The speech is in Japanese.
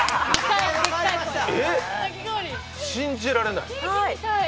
えっ、信じられない！